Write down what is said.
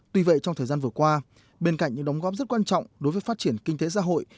tuy vậy trong thời gian vừa qua bên cạnh những đóng góp rất quan trọng đối với phát triển kinh tế xã hội